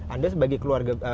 anda sebagai keluarga